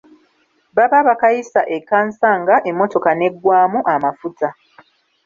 Baba baakayisa e Kansanga emmotoka n'eggwaamu amafuta.